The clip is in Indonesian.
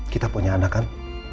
kita punya anak kan